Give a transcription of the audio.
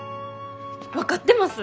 分かってます。